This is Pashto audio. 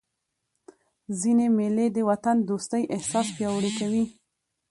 ځيني مېلې د وطن دوستۍ احساس پیاوړی کوي.